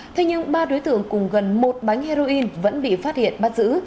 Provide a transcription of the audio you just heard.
thế nhưng ba đối tượng cùng gần một bánh heroin vẫn bị phát hiện bắt giữ